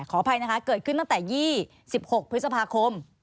ขออภัยนะคะเกิดขึ้นตั้งแต่๒๖พฤษภาคม